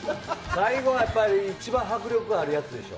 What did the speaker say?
最後はやっぱり一番迫力あるやつでしょ。